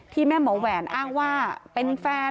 ที่แม่หมอแหวนอ้างว่าเป็นแฟน